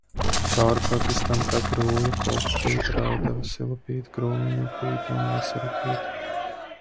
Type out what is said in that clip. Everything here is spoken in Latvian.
Cauri pagastam tek Rūja, Kolkupīte, Raudava, Silupīte, Krūmiņupīte un Veserupīte.